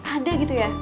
ada gitu ya